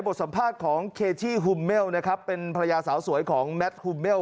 สัมภาษณ์ของเคชี่ฮุมเมลนะครับเป็นภรรยาสาวสวยของแมทฮุมเมล